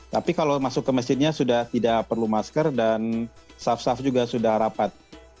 tapi kalau masuk ke masjidnya sudah tidak perlu masker dan saf saf juga sudah rapat